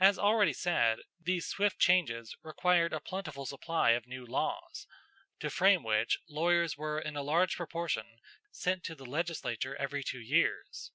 As already said, these swift changes required a plentiful supply of new laws, to frame which lawyers were in a large proportion sent to the legislature every two years.